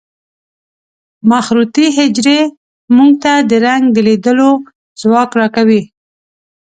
مخروطي حجرې موږ ته د رنګ د لیدلو ځواک را کوي.